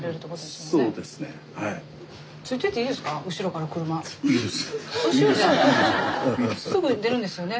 すぐ出るんですよね？